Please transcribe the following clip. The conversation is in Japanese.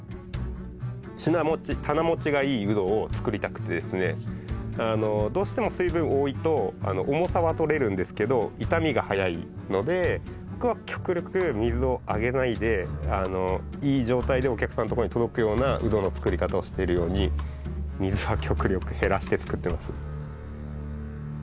品もち棚もちがいいウドを作りたくてですねどうしても水分多いと重さはとれるんですけど傷みが早いので僕は極力水をあげないでいい状態でお客さんのとこに届くようなウドの作り方をしてるように水は極力減らして作ってます。